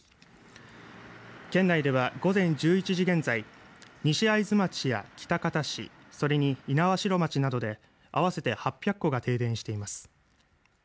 県内では午前１１時現在西会津町や喜多方市それに猪苗代町などであわせて８００戸が停電しています。